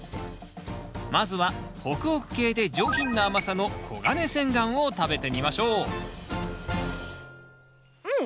まずはホクホク系で上品な甘さのコガネセンガンを食べてみましょううん！